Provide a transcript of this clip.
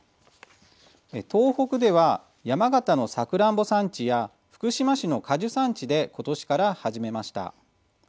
東北では山形のさくらんぼ産地や福島市の果樹産地で今年から始めました。